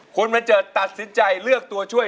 คุณบันเจิดตัดสินใจเลือกตัวช่วย